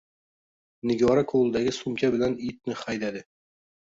Nigora qoʻlidagi sumka bilan itni haydadi.